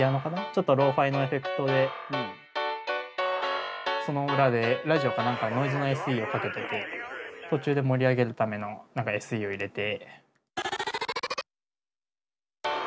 ちょっとローファイのエフェクトでその裏でラジオか何かノイズのＳＥをかけてて途中で盛り上げるための何かＳＥを入れて。